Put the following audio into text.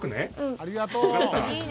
ありがとう。